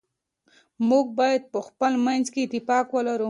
موږ باید په خپل منځ کي اتفاق ولرو.